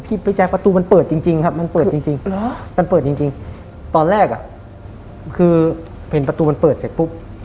พี่แจ๊กประตูมันเปิดจริงครับมันเปิดจริงตอนแรกคือเห็นประตูมันเปิดเสร็จปุ๊บ